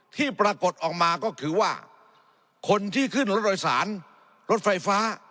ที่ปรากฏออกมาก็คือว่าคนที่ขึ้นรถโดยสารรถไฟฟ้า